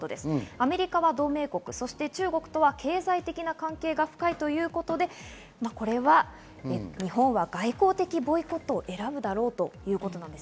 アメリカは同盟国、中国とは経済的な関係が深いということで、日本は外交的ボイコットを選ぶだろうということです。